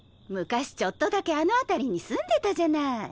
昔ちょっとだけあの辺りに住んでたじゃない。